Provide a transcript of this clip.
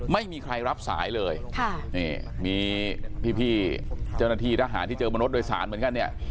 ไม่มีใครรับสายเลยค่ะนี่มีพี่เจ้าหน้าที่ทหารที่เจอบนรถโดยสารเหมือนกันเนี่ย